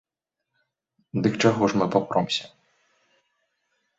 Дык чаго ж мы папромся?